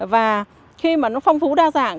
và khi mà nó phong phú đa dạng